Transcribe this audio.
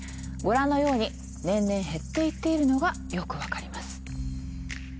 ご覧のように年々減っていってるのがよくわかります。